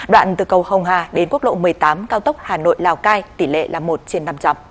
đoạn từ cầu hồng hà đến quốc lộ một mươi tám cao tốc hà nội lào cai tỷ lệ là một trên năm trăm linh